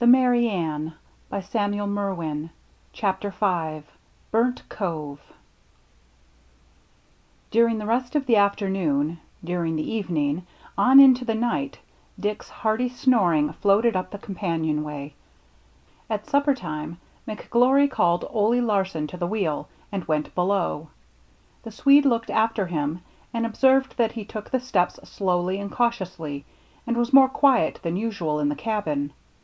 CHAPTER V BURNT COVE CHAPTER V BURNT COVE DURING the rest of the afternoon, during the evening, on into the night, Dick's hearty snoring floated up the companionway. At supper time McGlory called Ole Larsen to the wheel, and went below. The Swede looked after him and observed that he took the steps slowly and cautiously, and was more quiet than usual in the cabin.